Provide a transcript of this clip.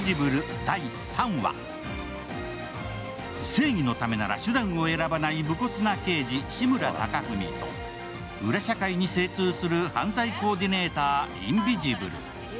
正義のためなら手段を選ばない武骨な刑事、志村貴文と裏社会に精通する犯罪コーディネーター、インビジブル。